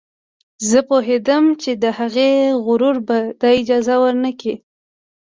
زه پوهېدم چې د هغې غرور به دا اجازه ور نه کړي